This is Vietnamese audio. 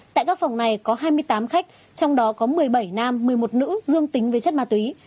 tại các phòng này có hai mươi tám khách trong đó có một mươi bảy nam một mươi một nữ dương tính với chất ma túy